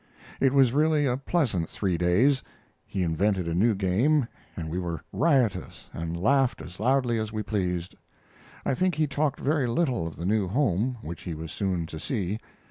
It was really a pleasant three days. He invented a new game, and we were riotous and laughed as loudly as we pleased. I think he talked very little of the new home which he was so soon to see.